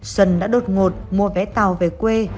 xuân đã đột ngột mua vé tàu về quê